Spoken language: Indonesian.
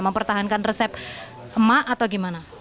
mempertahankan resep emak atau gimana